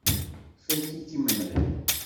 Fakk-ik imenɣi.